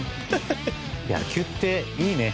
野球っていいね！